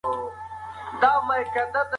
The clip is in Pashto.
ما مڼې وخوړلې.